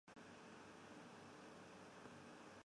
三个行星都具有相当发达的科技。